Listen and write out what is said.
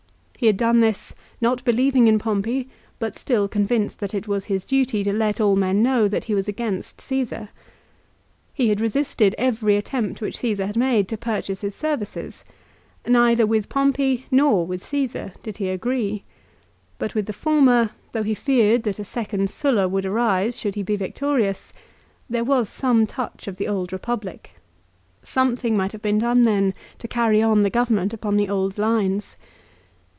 He had done this, not believing in Pompey, but still convinced that it was his duty to let all men know that he was against Caesar. He had resisted every attempt which Caesar had made to purchase his services. Neither with Pompey nor with Caesar did he agree. But with the former, though he feared that a second Sulla would arise should he be victorious, there was some touch of the old Eepublic. Something might have been done then to carry on the government upon the old lines.